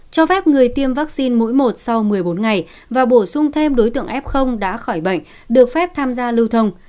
cho phép người tiêm vaccine mũi một sau một mươi bốn ngày và bổ sung thêm đối tượng f đã khỏi bệnh được phép tham gia lưu thông